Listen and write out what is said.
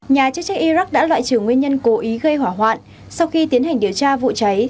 nhà chức trách iraq đã loại trừ nguyên nhân cố ý gây hỏa hoạn sau khi tiến hành điều tra vụ cháy